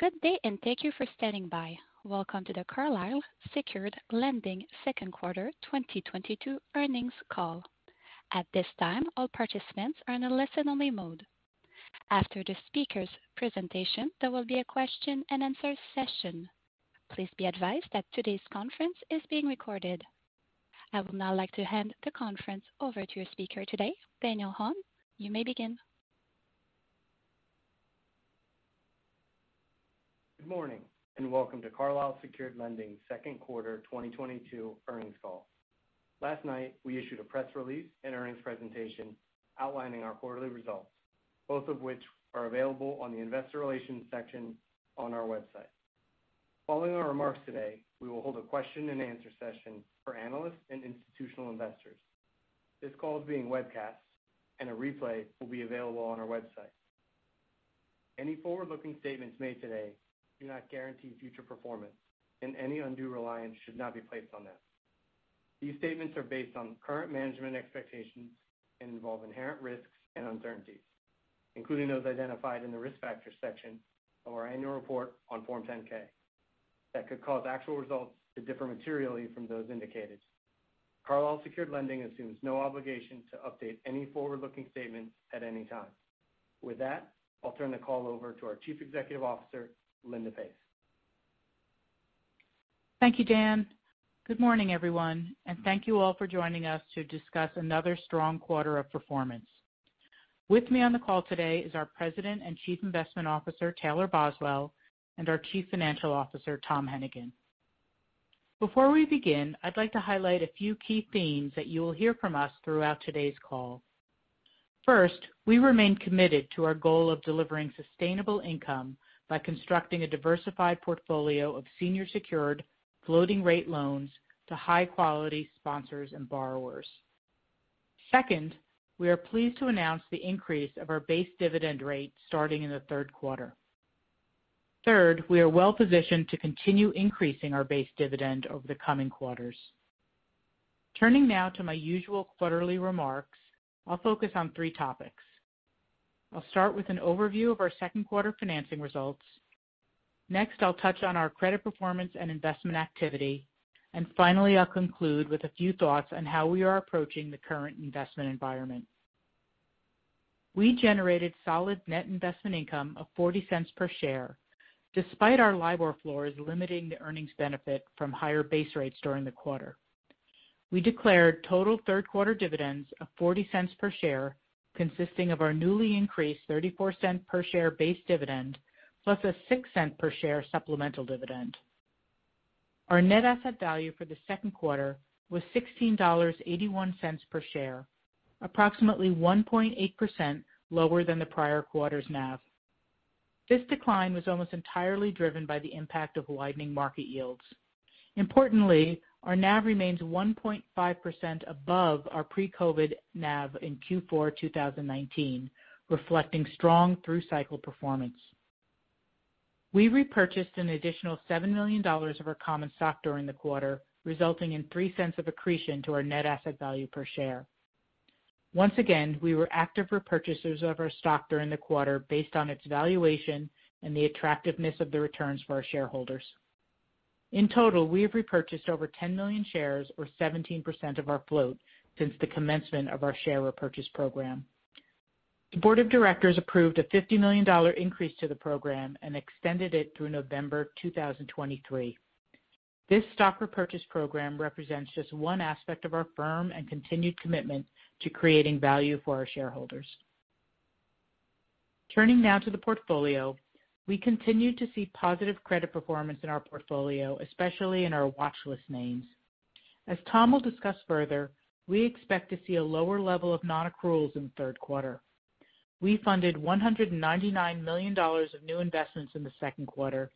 Good day, and thank you for standing by. Welcome to the Carlyle Secured Lending Second Quarter 2022 Earnings Call. At this time, all participants are in a listen-only mode. After the speaker's presentation, there will be a question-and-answer session. Please be advised that today's conference is being recorded. I would now like to hand the conference over to your speaker today, Daniel Hahn. You may begin. Good morning, and welcome to Carlyle Secured Lending Second Quarter 2022 Earnings Call. Last night, we issued a press release and earnings presentation outlining our quarterly results, both of which are available on the investor relations section on our website. Following our remarks today, we will hold a question-and-answer session for analysts and institutional investors. This call is being webcast, and a replay will be available on our website. Any forward-looking statements made today do not guarantee future performance, and any undue reliance should not be placed on them. These statements are based on current management expectations and involve inherent risks and uncertainties, including those identified in the Risk Factors section of our annual report on Form 10-K, that could cause actual results to differ materially from those indicated. Carlyle Secured Lending assumes no obligation to update any forward-looking statements at any time. With that, I'll turn the call over to our Chief Executive Officer, Linda Pace. Thank you, Dan. Good morning, everyone, and thank you all for joining us to discuss another strong quarter's performance. With me on the call today is our President and Chief Investment Officer, Taylor Boswell, and our Chief Financial Officer, Tom Hennigan. Before we begin, I'd like to highlight a few key themes that you will hear from us throughout today's call. First, we remain committed to our goal of delivering sustainable income by constructing a diversified portfolio of senior secured floating rate loans to high-quality sponsors and borrowers. Second, we are pleased to announce the increase of our base dividend rate starting in the third quarter. Third, we are well-positioned to continue increasing our base dividend over the coming quarters. Turning now to my usual quarterly remarks, I'll focus on three topics. I'll start with an overview of our second quarter financial results. Next, I'll touch on our credit performance and investment activity. Finally, I'll conclude with a few thoughts on how we are approaching the current investment environment. We generated solid net investment income of $0.40 per share, despite our LIBOR floors limiting the earnings benefit from higher base rates during the quarter. We declared total third quarter dividends of $0.40 per share, consisting of our newly increased $0.34 per share base dividend plus a $0.06 per share supplemental dividend. Our net asset value for the second quarter was $16.81 per share, approximately 1.8% lower than the prior quarter's NAV. This decline was almost entirely driven by the impact of widening market yields. Importantly, our NAV remains 1.5% above our pre-COVID NAV in Q4 2019, reflecting strong through-cycle performance. We repurchased an additional $7 million of our common stock during the quarter, resulting in $0.03 of accretion to our net asset value per share. Once again, we were active repurchasers of our stock during the quarter based on its valuation and the attractiveness of the returns for our shareholders. In total, we have repurchased over 10 million shares or 17% of our float since the commencement of our share repurchase program. The board of directors approved a $50 million increase to the program and extended it through November 2023. This stock repurchase program represents just one aspect of our firm and continued commitment to creating value for our shareholders. Turning now to the portfolio. We continue to see positive credit performance in our portfolio, especially in our watchlist names. As Tom will discuss further, we expect to see a lower level of non-accruals in the third quarter. We funded $199 million of new investments in the second quarter,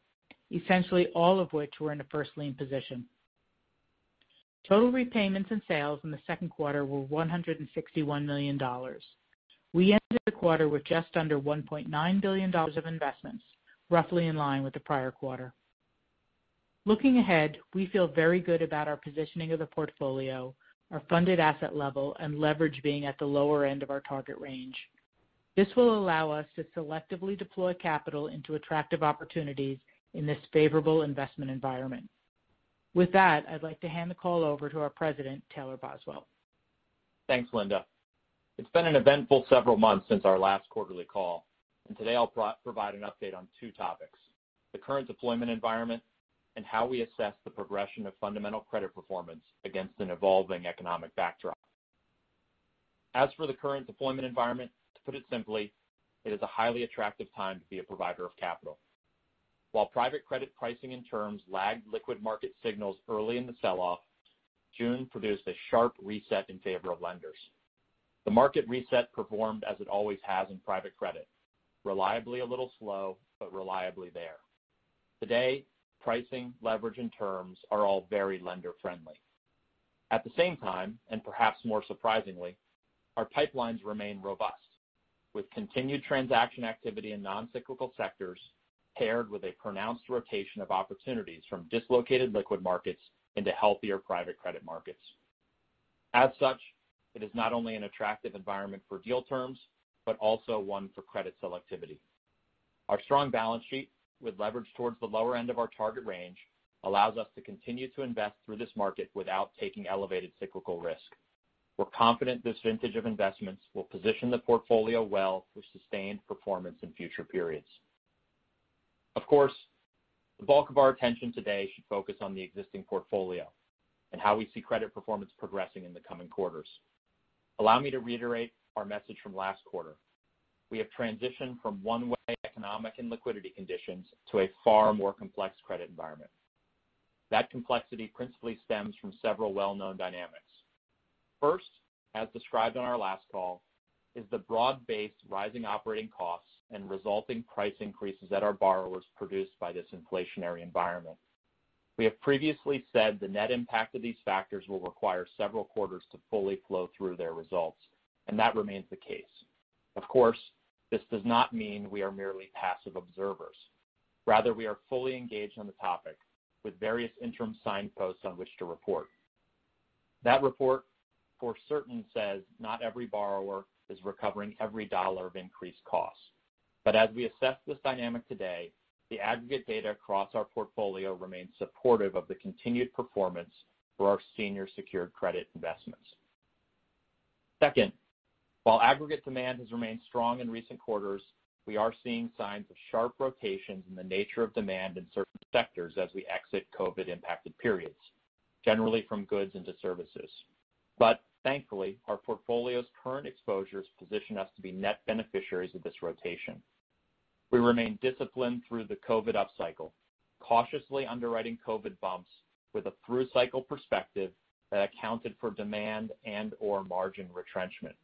essentially all of which were in a first lien position. Total repayments and sales in the second quarter were $161 million. We ended the quarter with just under $1.9 billion of investments, roughly in line with the prior quarter. Looking ahead, we feel very good about our positioning of the portfolio, our funded asset level, and leverage being at the lower end of our target range. This will allow us to selectively deploy capital into attractive opportunities in this favorable investment environment. With that, I'd like to hand the call over to our President, Taylor Boswell. Thanks, Linda. It's been an eventful several months since our last quarterly call, and today I'll provide an update on two topics, the current deployment environment and how we assess the progression of fundamental credit performance against an evolving economic backdrop. As for the current deployment environment, to put it simply, it is a highly attractive time to be a provider of capital. While private credit pricing and terms lagged liquid market signals early in the sell-off, June produced a sharp reset in favor of lenders. The market reset performed as it always has in private credit, reliably a little slow but reliably there. Today, pricing, leverage, and terms are all very lender-friendly. At the same time, and perhaps more surprisingly, our pipelines remain robust, with continued transaction activity in non-cyclical sectors paired with a pronounced rotation of opportunities from dislocated liquid markets into healthier private credit markets. As such, it is not only an attractive environment for deal terms, but also one for credit selectivity. Our strong balance sheet with leverage towards the lower end of our target range allows us to continue to invest through this market without taking elevated cyclical risk. We're confident this vintage of investments will position the portfolio well for sustained performance in future periods. Of course, the bulk of our attention today should focus on the existing portfolio and how we see credit performance progressing in the coming quarters. Allow me to reiterate our message from last quarter. We have transitioned from one way economic and liquidity conditions to a far more complex credit environment. That complexity principally stems from several well-known dynamics. First, as described on our last call, is the broad-based rising operating costs and resulting price increases that our borrowers produced by this inflationary environment. We have previously said the net impact of these factors will require several quarters to fully flow through their results, and that remains the case. Of course, this does not mean we are merely passive observers. Rather, we are fully engaged on the topic with various interim signposts on which to report. That report for certain says, "Not every borrower is recovering every dollar of increased costs." As we assess this dynamic today, the aggregate data across our portfolio remains supportive of the continued performance for our senior secured credit investments. Second, while aggregate demand has remained strong in recent quarters, we are seeing signs of sharp rotations in the nature of demand in certain sectors as we exit COVID impacted periods, generally from goods into services. But, thankfully, our portfolio's current exposures position us to be net beneficiaries of this rotation. We remain disciplined through the COVID upcycle, cautiously underwriting COVID bumps with a through cycle perspective that accounted for demand and/or margin retrenchment.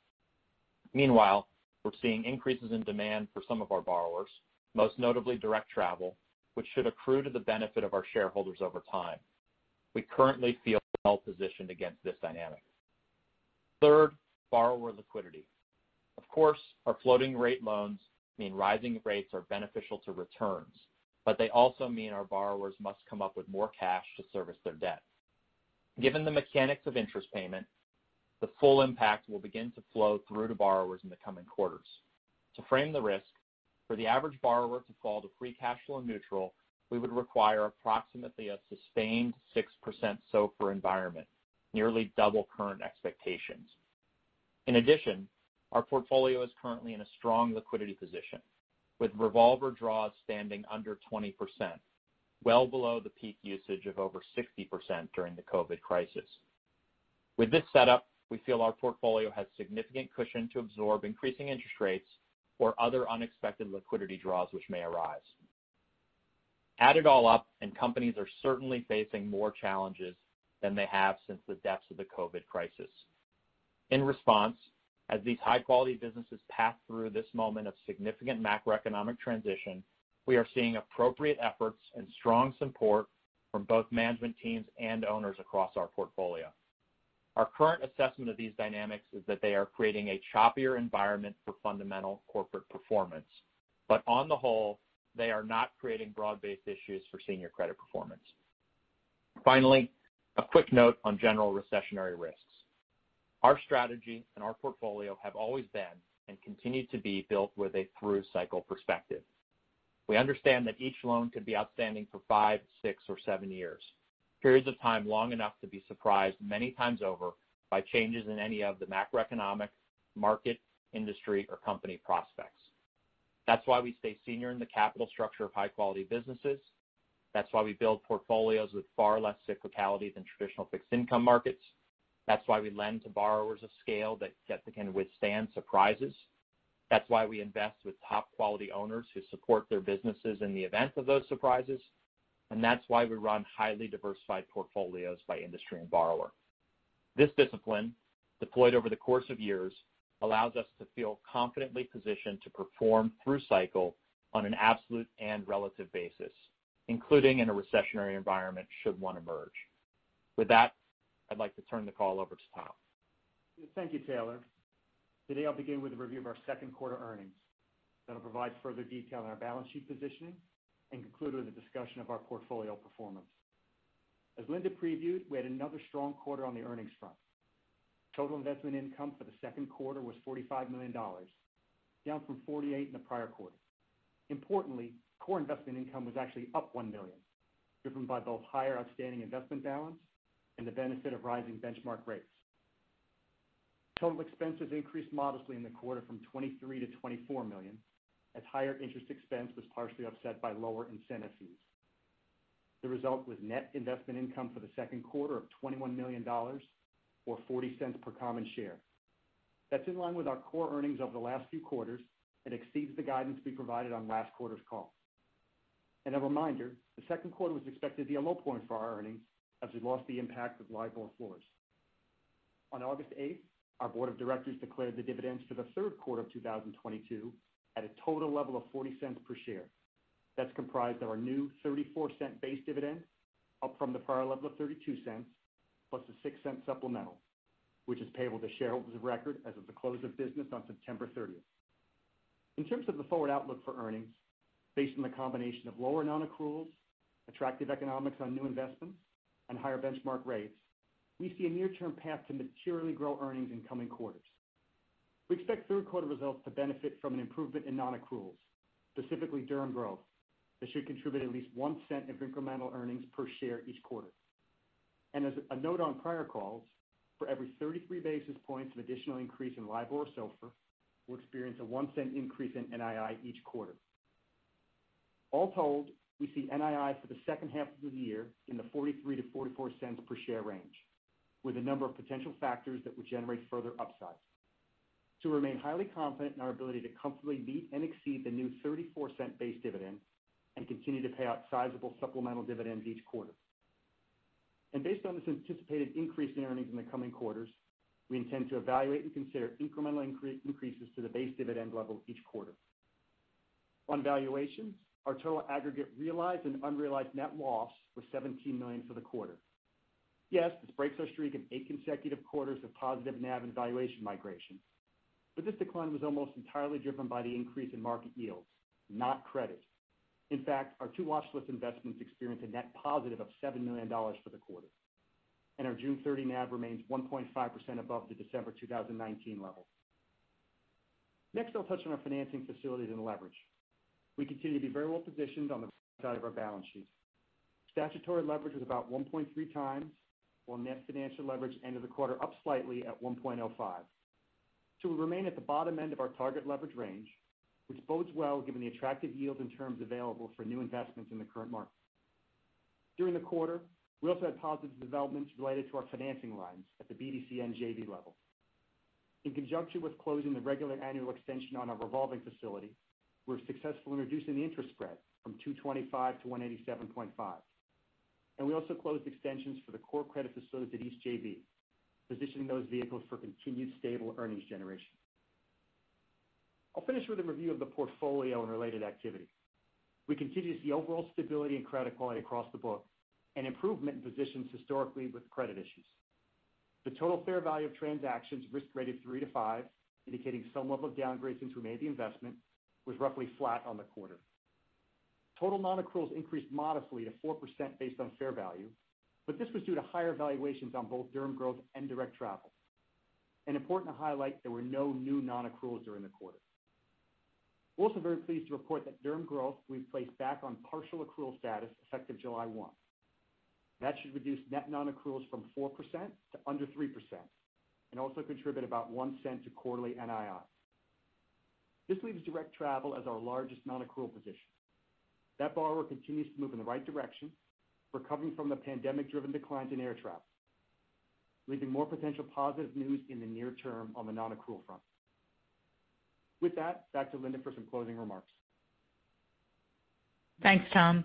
Meanwhile, we're seeing increases in demand for some of our borrowers, most notably Direct Travel, which should accrue to the benefit of our shareholders over time. We currently feel well-positioned against this dynamic. Third, borrower liquidity. Of course, our floating rate loans mean rising rates are beneficial to returns, but they also mean our borrowers must come up with more cash to service their debt. Given the mechanics of interest payment, the full impact will begin to flow through to borrowers in the coming quarters. To frame the risk, for the average borrower to fall to free cash flow neutral, we would require approximately a sustained 6% SOFR environment, nearly double current expectations. In addition, our portfolio is currently in a strong liquidity position, with revolver draws standing under 20%, well below the peak usage of over 60% during the COVID crisis. With this setup, we feel our portfolio has significant cushion to absorb increasing interest rates or other unexpected liquidity draws which may arise. Add it all up, and companies are certainly facing more challenges than they have since the depths of the COVID crisis. In response, as these high quality businesses pass through this moment of significant macroeconomic transition, we are seeing appropriate efforts and strong support from both management teams and owners across our portfolio. Our current assessment of these dynamics is that they are creating a choppier environment for fundamental corporate performance. On the whole, they are not creating broad-based issues for senior credit performance. Finally, a quick note on general recessionary risks. Our strategy and our portfolio have always been and continue to be built with a through cycle perspective. We understand that each loan could be outstanding for five, six, or seven years. Periods of time long enough to be surprised many times over by changes in any of the macroeconomic, market, industry, or company prospects. That's why we stay senior in the capital structure of high quality businesses. That's why we build portfolios with far less cyclicality than traditional fixed income markets. That's why we lend to borrowers of scale that can withstand surprises. That's why we invest with top quality owners who support their businesses in the event of those surprises. That's why we run highly diversified portfolios by industry and borrower. This discipline, deployed over the course of years, allows us to feel confidently positioned to perform through cycle on an absolute and relative basis, including in a recessionary environment should one emerge. With that, I'd like to turn the call over to Tom. Thank you, Taylor. Today, I'll begin with a review of our second quarter earnings that'll provide further detail on our balance sheet positioning and conclude with a discussion of our portfolio performance. As Linda previewed, we had another strong quarter on the earnings front. Total investment income for the second quarter was $45 million, down from $48 million in the prior quarter. Importantly, core investment income was actually up $1 million, driven by both higher outstanding investment balance and the benefit of rising benchmark rates. Total expenses increased modestly in the quarter from $23 million to $24 million, as higher interest expense was partially offset by lower incentive fees. The result was net investment income for the second quarter of $21 million or $0.40 per common share. That's in line with our core earnings over the last few quarters and exceeds the guidance we provided on last quarter's call. A reminder, the second quarter was expected to be a low point for our earnings as we lost the impact of LIBOR floors. On August 8, our board of directors declared the dividends for the third quarter of 2022 at a total level of $0.40 per share. That's comprised of our new $0.34 base dividend, up from the prior level of $0.32, plus a $0.06 supplemental, which is payable to shareholders of record as of the close of business on September 30. In terms of the forward outlook for earnings based on the combination of lower non-accruals, attractive economics on new investments and higher benchmark rates, we see a near-term path to materially grow earnings in coming quarters. We expect third quarter results to benefit from an improvement in non-accruals, specifically Durham Growth. This should contribute at least $0.01 of incremental earnings per share each quarter. As a note on prior calls, for every 33 basis points of additional increase in LIBOR or SOFR, we'll experience a $0.01 increase in NII each quarter. All told, we see NII for the second half of the year in the $0.43 to $0.44 per share range, with a number of potential factors that would generate further upside. To remain highly confident in our ability to comfortably meet and exceed the new $0.34 base dividend and continue to pay out sizable supplemental dividends each quarter. Based on this anticipated increase in earnings in the coming quarters, we intend to evaluate and consider incremental increases to the base dividend level each quarter. On valuations, our total aggregate realized and unrealized net loss was $17 million for the quarter. Yes, this breaks our streak of eight consecutive quarters of positive NAV and valuation migration. This decline was almost entirely driven by the increase in market yields, not credit. In fact, our two watch list investments experienced a net positive of $7 million for the quarter, and our June 30 NAV remains 1.5% above the December 2019 level. Next, I'll touch on our financing facilities and leverage. We continue to be very well positioned on the side of our balance sheet. Statutory leverage was about 1.3x, while net financial leverage ended the quarter up slightly at 1.05. We remain at the bottom end of our target leverage range, which bodes well given the attractive yields and terms available for new investments in the current market. During the quarter, we also had positive developments related to our financing lines at the BDC and JV level. In conjunction with closing the regular annual extension on our revolving facility, we're successfully reducing the interest spread from 2.25 to 1.875. We also closed extensions for the core credit facilities at each JV, positioning those vehicles for continued stable earnings generation. I'll finish with a review of the portfolio and related activity. We continue to see overall stability and credit quality across the book and improvement in positions historically with credit issues. The total fair value of transactions risk rated three-five, indicating some level of downgrades since we made the investment, was roughly flat on the quarter. Total non-accruals increased modestly to 4% based on fair value, but this was due to higher valuations on both Durham Growth and Direct Travel. Important to highlight, there were no new non-accruals during the quarter. We're also very pleased to report that Durham Growth will be placed back on partial accrual status effective July 1. That should reduce net non-accruals from 4% to under 3% and also contribute about $0.01 to quarterly NII. This leaves Direct Travel as our largest non-accrual position. That borrower continues to move in the right direction, recovering from the pandemic-driven decline in air travel, leaving more potential positive news in the near term on the non-accrual front. With that, back to Linda for some closing remarks. Thanks, Tom.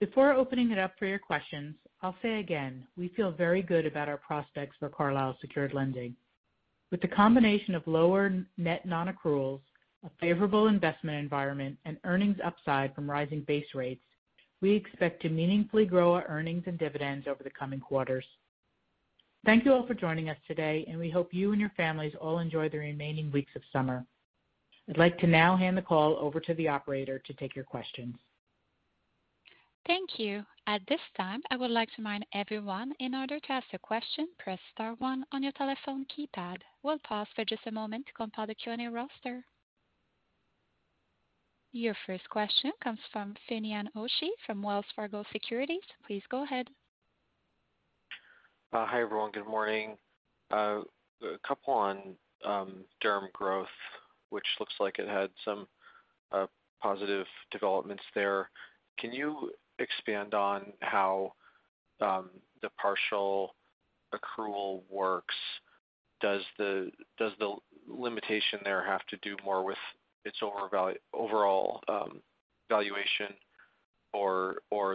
Before opening it up for your questions, I'll say again, we feel very good about our prospects for Carlyle Secured Lending. With the combination of lower net non-accruals, a favorable investment environment, and earnings upside from rising base rates, we expect to meaningfully grow our earnings and dividends over the coming quarters. Thank you all for joining us today, and we hope you and your families all enjoy the remaining weeks of summer. I'd like to now hand the call over to the operator to take your questions. Thank you. At this time, I would like to remind everyone, in order to ask a question, press star one on your telephone keypad. We'll pause for just a moment to compile the Q&A roster. Your first question comes from Finian O'Shea from Wells Fargo Securities. Please go ahead. Hi, everyone. Good morning. A couple on Durham Growth, which looks like it had some positive developments there. Can you expand on how the partial accrual works? Does the limitation there have to do more with its overall valuation or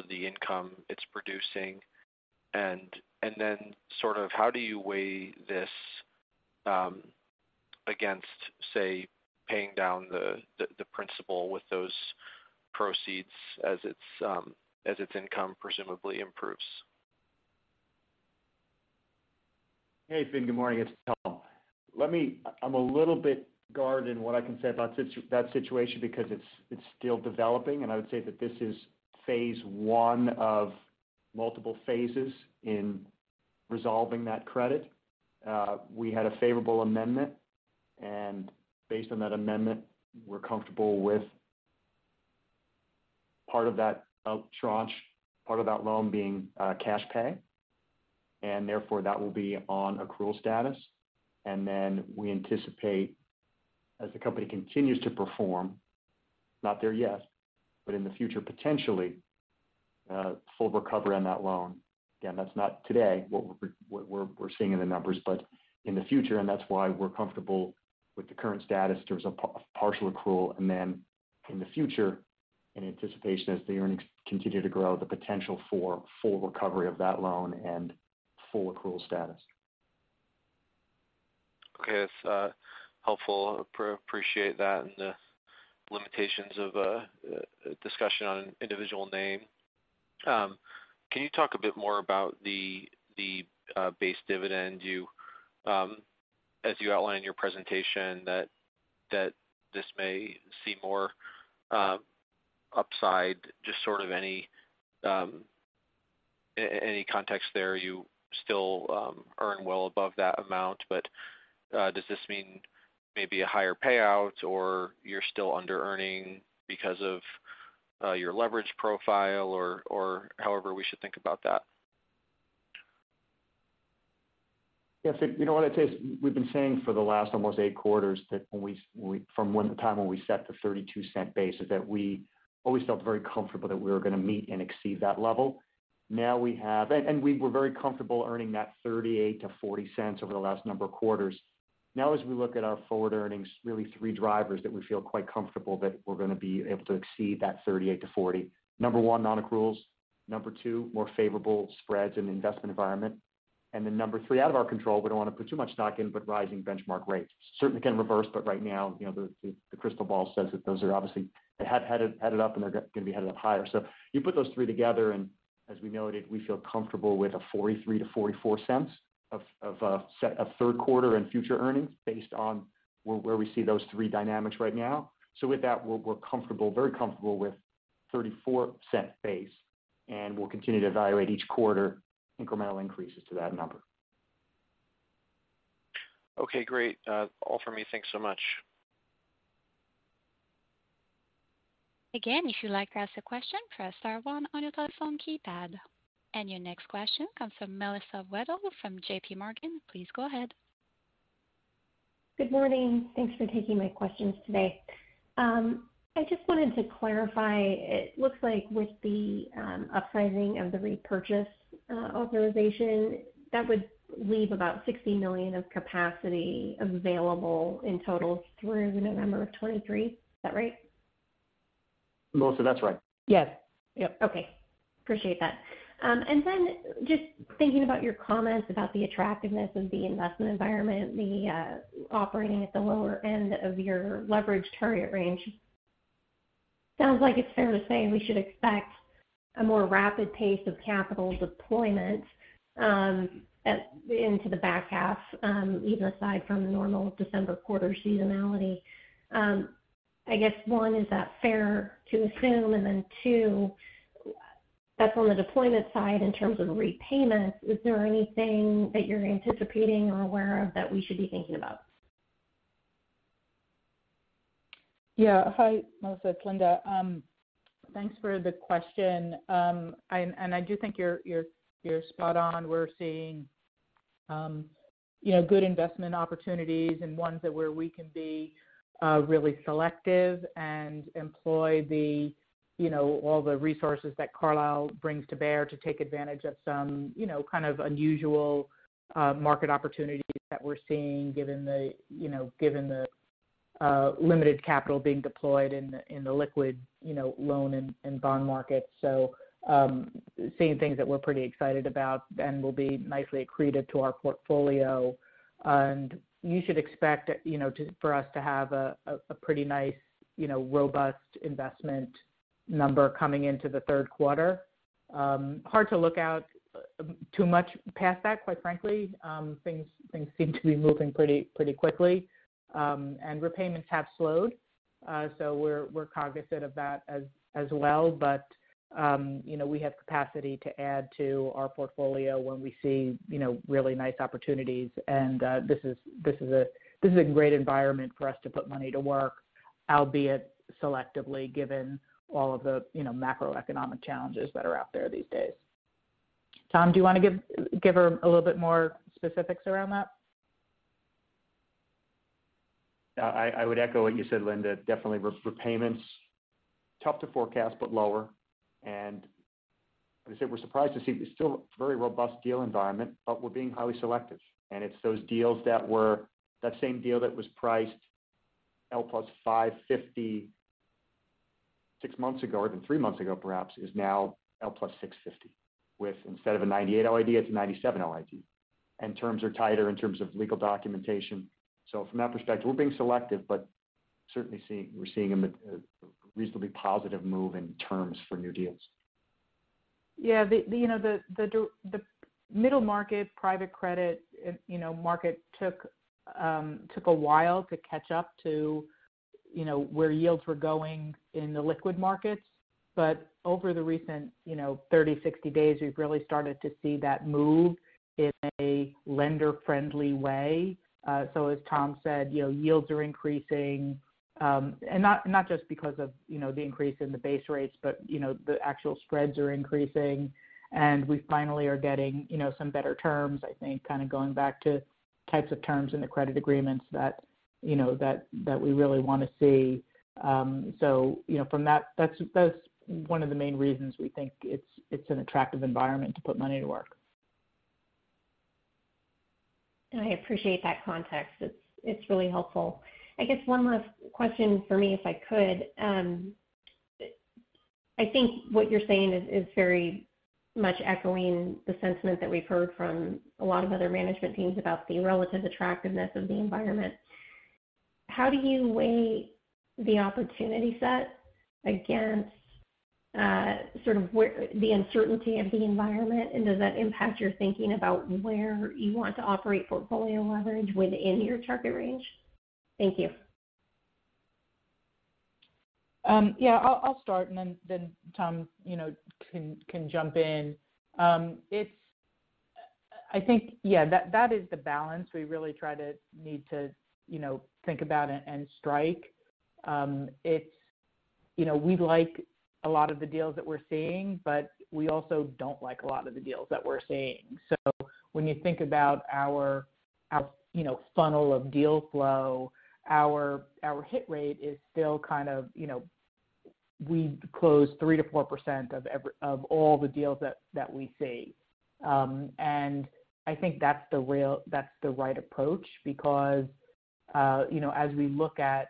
the income it's producing? Then sort of how do you weigh this against, say, paying down the principal with those proceeds as its income presumably improves? Hey, Finn, good morning. It's Tom. I'm a little bit guarded in what I can say about that situation because it's still developing, and I would say that this is phase I of multiple phases in resolving that credit. We had a favorable amendment, and based on that amendment, we're comfortable with part of that tranche, part of that loan being cash pay. Therefore, that will be on accrual status. Then we anticipate as the company continues to perform, not there yet, but in the future, potentially, full recovery on that loan. Again, that's not today what we're seeing in the numbers, but in the future, and that's why we're comfortable with the current status. There's a partial accrual and then in the future, in anticipation as the earnings continue to grow, the potential for full recovery of that loan and full accrual status. Okay. That's helpful. Appreciate that and the limitations of discussion on an individual name. Can you talk a bit more about the base dividend you as you outlined in your presentation that this may see more upside, just sort of any context there. You still earn well above that amount, but does this mean maybe a higher payout or you're still under earning because of your leverage profile or however we should think about that? Yes. You know what? It's as we've been saying for the last almost eight quarters that from the time when we set the $0.32 base, that we always felt very comfortable that we were gonna meet and exceed that level. Now we have. We were very comfortable earning that $0.38 to $0.40 over the last number of quarters. Now, as we look at our forward earnings, really three drivers that we feel quite comfortable that we're gonna be able to exceed that $0.38 to $0.40. Number one, non-accruals, number two, more favorable spreads in the investment environment, and then number three, out of our control, we don't wanna put too much stock in, but rising benchmark rates. Certainly can reverse, but right now, you know, the crystal ball says that those have obviously headed up and they're gonna be headed up higher. You put those three together, and as we noted, we feel comfortable with a $0.43 to $0.44 of set of third quarter and future earnings based on where we see those three dynamics right now. With that, we're comfortable, very comfortable with $0.34 base, and we'll continue to evaluate each quarter incremental increases to that number. Okay, great. All from me. Thanks so much. Again, if you'd like to ask a question, press star one on your telephone keypad. Your next question comes from Melissa Wedel from JPMorgan. Please go ahead. Good morning. Thanks for taking my questions today. I just wanted to clarify. It looks like with the upsizing of the repurchase authorization, that would leave about $60 million of capacity available in total through November 2023. Is that right? Melissa, that's right. Yes. Yep. Okay. Appreciate that. Just thinking about your comments about the attractiveness of the investment environment, the operating at the lower end of your leverage target range. Sounds like it's fair to say we should expect a more rapid pace of capital deployment into the back half, even aside from the normal December quarter seasonality. I guess one, is that fair to assume? Two, that's on the deployment side in terms of repayments, is there anything that you're anticipating or aware of that we should be thinking about? Yeah. Hi, Melissa, it's Linda. Thanks for the question. I do think you're spot on. We're seeing you know good investment opportunities and ones where we can be really selective and employ the you know all the resources that Carlyle brings to bear to take advantage of some you know kind of unusual market opportunities that we're seeing given the you know given the limited capital being deployed in the in the liquid you know loan and bond markets. Seeing things that we're pretty excited about and will be nicely accretive to our portfolio. You should expect you know for us to have a pretty nice you know robust investment number coming into the third quarter. Hard to look out too much past that, quite frankly. Things seem to be moving pretty quickly. Repayments have slowed. We're cognizant of that as well. You know, we have capacity to add to our portfolio when we see, you know, really nice opportunities. This is a great environment for us to put money to work, albeit selectively, given all of the, you know, macroeconomic challenges that are out there these days. Tom, do you wanna give her a little bit more specifics around that? Yeah. I would echo what you said, Linda. Definitely repayments, tough to forecast but lower. Like I said, we're surprised to see it's still very robust deal environment, but we're being highly selective. It's those deals that were that same deal that was priced L + 550 six months ago or even three months ago perhaps is now L + 650 with instead of a 98 OID, it's a 97 OID. Terms are tighter in terms of legal documentation. From that perspective, we're being selective but certainly seeing reasonably positive move in terms for new deals. Yeah. The middle market private credit market took a while to catch up to where yields were going in the liquid markets. Over the recent 30, 60 days, we've really started to see that move in a lender friendly way. As Tom said, yields are increasing and not just because of the increase in the base rates, but the actual spreads are increasing and we finally are getting some better terms. I think kind of going back to types of terms in the credit agreements that we really wanna see. From that's one of the main reasons we think it's an attractive environment to put money to work. I appreciate that context. It's really helpful. I guess one last question for me, if I could. I think what you're saying is very much echoing the sentiment that we've heard from a lot of other management teams about the relative attractiveness of the environment. How do you weigh the opportunity set against, sort of where the uncertainty of the environment? Does that impact your thinking about where you want to operate portfolio leverage within your target range? Thank you. I'll start and then Tom, you know, can jump in. I think, yeah, that is the balance we really need to, you know, think about and strike. It's, you know, we like a lot of the deals that we're seeing, but we also don't like a lot of the deals that we're seeing. When you think about our, you know, funnel of deal flow, our hit rate is still kind of, you know, we close 3% to 4% of all the deals that we see. I think that's the right approach because, you know, as we look at,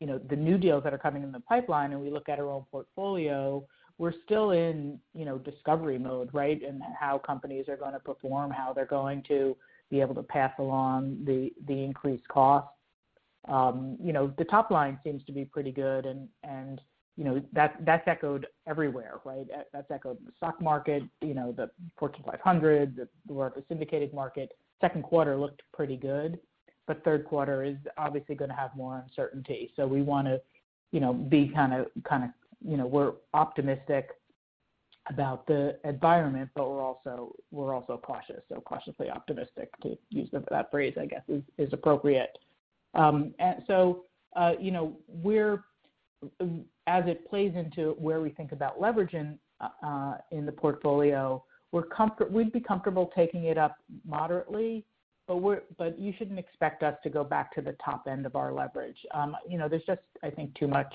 you know, the new deals that are coming in the pipeline and we look at our own portfolio, we're still in, you know, discovery mode, right? In how companies are gonna perform, how they're going to be able to pass along the increased costs. You know, the top line seems to be pretty good and, you know, that's echoed everywhere, right? That's echoed in the stock market, you know, the Fortune 500, the syndicated market. Second quarter looked pretty good, but third quarter is obviously gonna have more uncertainty. We wanna, you know, be kinda. You know, we're optimistic about the environment, but we're also cautious. Cautiously optimistic, to use that phrase, I guess is appropriate. You know, we're, as it plays into where we think about leveraging in the portfolio, we'd be comfortable taking it up moderately, but you shouldn't expect us to go back to the top end of our leverage. You know, there's just, I think, too much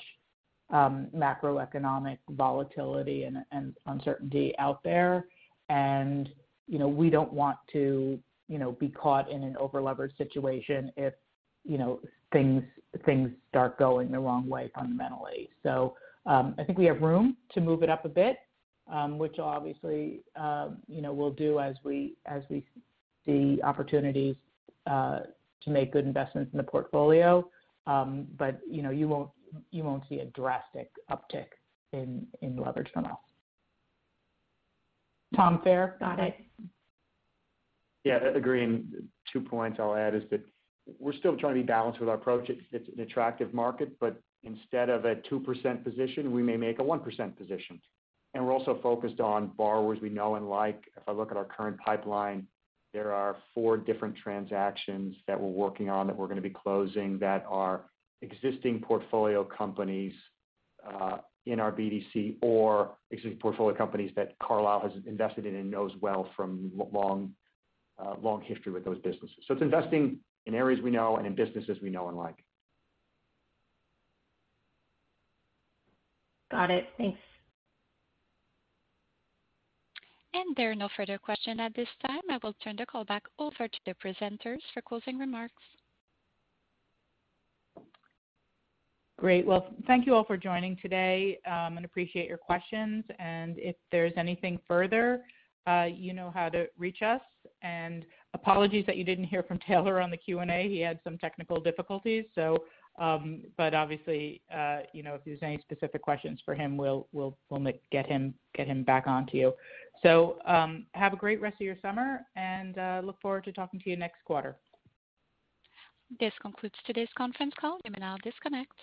macroeconomic volatility and uncertainty out there. You know, we don't want to, you know, be caught in an over-leveraged situation if, you know, things start going the wrong way fundamentally. I think we have room to move it up a bit, which obviously, you know, we'll do as we see opportunities to make good investments in the portfolio. You know, you won't see a drastic uptick in leverage from us. Tom, Fair? Got it. Yeah, I agree. Two points I'll add is that we're still trying to be balanced with our approach. It's an attractive market, but instead of a 2% position, we may make a 1% position. We're also focused on borrowers we know and like. If I look at our current pipeline, there are four different transactions that we're working on that we're gonna be closing that are existing portfolio companies in our BDC or existing portfolio companies that Carlyle has invested in and knows well from long history with those businesses. It's investing in areas we know and in businesses we know and like. Got it. Thanks. There are no further questions at this time. I will turn the call back over to the presenters for closing remarks. Great. Well, thank you all for joining today, and appreciate your questions. If there's anything further, you know how to reach us. Apologies that you didn't hear from Taylor on the Q&A. He had some technical difficulties. Obviously, you know, if there's any specific questions for him, we'll get him back on to you. Have a great rest of your summer and look forward to talking to you next quarter. This concludes today's conference call. You may now disconnect.